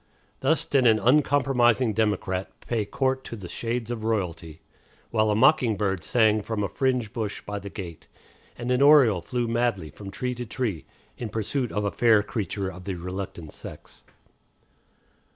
Thus did an uncompromising democrat pay court to the shades of Royalty, while a mocking bird sang from a fringe bush by the gate, and an oriole flew madly from tree to tree in pursuit of a fair creature of the reluctant sex.